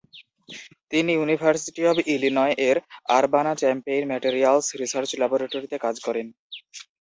তিনি university of Illinois এর Urbana Champaign materials research ল্যাবরেটরিতে কাজ করেন।